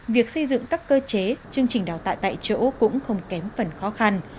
việc xây dựng các cơ chế chương trình đào tạo tại chỗ cũng không kém phần khó khăn